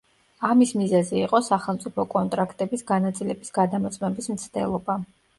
ამის მიზეზი იყო სახელმწიფო კონტრაქტების განაწილების გადამოწმების მცდელობა.